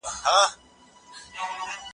دغه نرمغالی چي تاسي یې غواړئ، په هټې کي نسته.